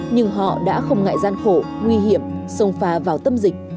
nhưng họ đã không ngại gian khổ nguy hiểm sông phá vào tâm dịch